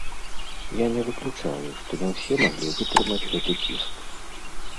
Я не выключаю, што не ўсе маглі вытрымаць гэты ціск.